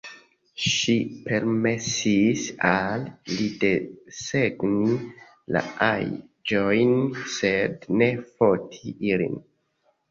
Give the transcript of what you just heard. Ŝi permesis al li desegni la aĵojn, sed ne foti ilin.